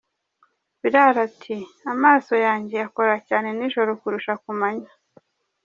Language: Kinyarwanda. Biraro ati “Amaso yanjye akora cyane nijoro kurusha ku manywa.